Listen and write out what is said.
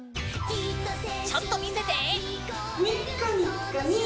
ちょっと見せてー！